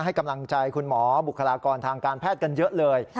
ให้กำลังใจคุณหมอบุคลากรทางการแพทย์กันเยอะเลย